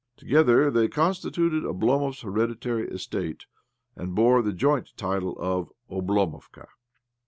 Together they constituted Oblomov' s hereditary estate, and bore the joint title of Oblomovka.